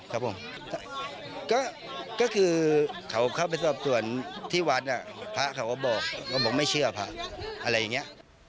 ก็คือเขาเข้าไปสอบส่วนที่วัดภาคเขาก็บอกไม่เชื่ออะไรอย่างนี้